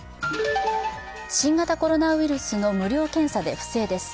新型コロナウイルスの無料検査で不正です。